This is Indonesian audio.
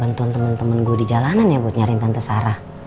bantuan temen temen gue di jalanan ya buat nyariin tante sarah